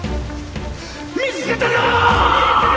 見つけたぞ！！